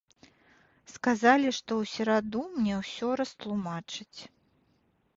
Сказалі, што ў сераду мне ўсё растлумачаць.